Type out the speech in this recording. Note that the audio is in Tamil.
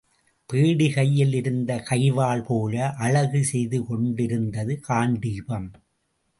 பேடி கையில் இருந்த கைவாள் போல அழகு செய்து கொண்டிருந்தது காண்டீபம்.